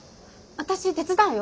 私手伝うよ？